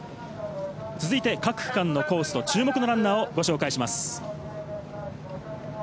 続いて各区間のコースと注目のランナーをご紹介します。